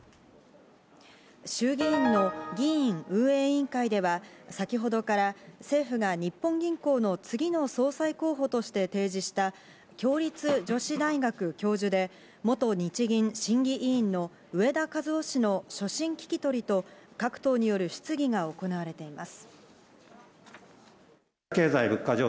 衆議院の議院運営委員会では、先ほどから政府が日本銀行の次の総裁候補として提示した共立女子大学教授で元日銀審議委員の植田和男氏の所信聞き取りと各党による質疑が行われています。